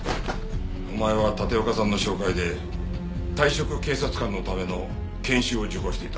お前は立岡さんの紹介で退職警察官のための研修を受講していた。